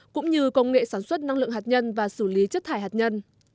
cũng như công nghệ sản xuất năng lượng hạt nhân và xử lý chất thải hạt nhân